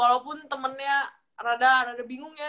walaupun temennya rada bingung ya